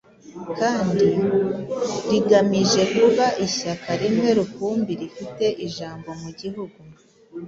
kandi "rigamije kuba ishyaka rimwe rukumbi rifite ijambo mu gihugu".